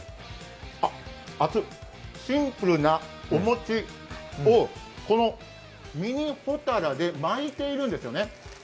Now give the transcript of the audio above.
熱い、シンプルなお餅をミニ帆たらで巻いてるんですよね。